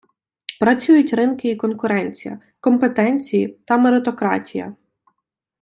Працюють ринки і конкуренція, компетенції та меритократія.